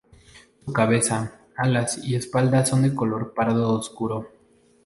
Su cabeza, alas y espalda son de color pardo oscuro.